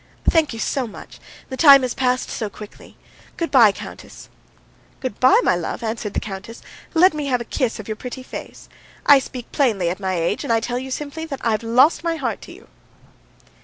"Thank you so much. The time has passed so quickly. Good bye, countess." "Good bye, my love," answered the countess. "Let me have a kiss of your pretty face. I speak plainly, at my age, and I tell you simply that I've lost my heart to you."